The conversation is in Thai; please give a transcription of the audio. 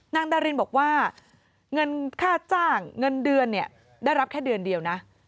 นางดารินบอกว่าเงินค่าจ้างเงินเดือนเนี่ยได้รับแค่เดือนเดียวนะ